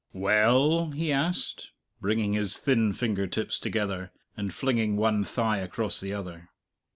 "Well?" he asked, bringing his thin finger tips together, and flinging one thigh across the other.